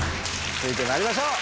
続いて参りましょう。